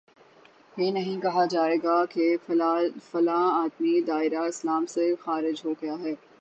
یہ نہیں کہا جائے گا کہ فلاں آدمی دائرۂ اسلام سے خارج ہو گیا ہے